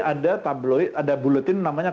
ada tabloid ada buletin namanya